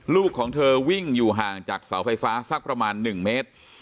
ลูกของเธอวิ่งอยู่ห่างจากเสาไฟฟ้าสักประมาณ๑เมตร